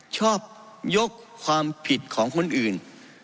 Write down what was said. ชอบยกความผิดของคนอื่น